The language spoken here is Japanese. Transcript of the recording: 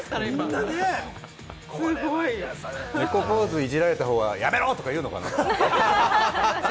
猫ポーズ、いじられた方はやめろとか言うのかな？